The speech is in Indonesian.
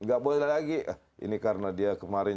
gak boleh lagi ini karena dia kemarin